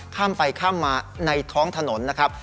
ข้ามไปข้ามมาในท้องถนนนะครับ